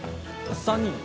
３人。